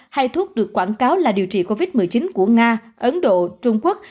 hai thuốc được quảng cáo là điều trị covid một mươi chín của nga ấn độ trung quốc